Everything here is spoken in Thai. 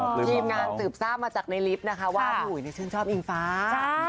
ทีมงานสืบทราบมาจากในลิฟต์นะคะว่าพี่อุ๋ยชื่นชอบอิงฟ้า